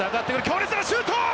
強烈なシュート！